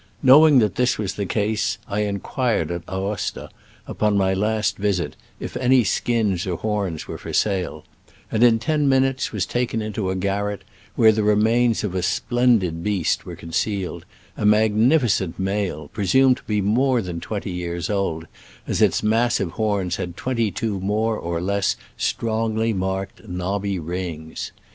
Knowing that this was the case, I inquired at Aosta, upon my last visit, if any skins or horns were for sale, and in ten minutes was taken into a garret where the remains of a splendid beast were concealed — a magnificent male, presumed to be more than twenty years old, as its massive horns had twen ty two more or less strongly marked knobby rings.